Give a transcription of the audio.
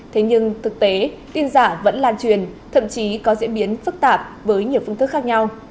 thế nhưng thực tế tin giả vẫn lan truyền thậm chí có diễn biến phức tạp với nhiều phương thức khác nhau